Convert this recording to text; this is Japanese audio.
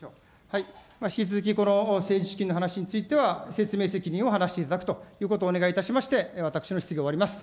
引き続きこの政治資金の話については、説明責任を果たしていただくということをお願いいたしまして、私の質疑を終わります。